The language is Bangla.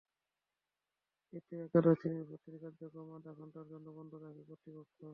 এতে একাদশ শ্রেণির ভর্তির কার্যক্রম আধা ঘণ্টার জন্য বন্ধ রাখে কর্তৃপক্ষ।